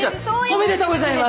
おめでとうございます。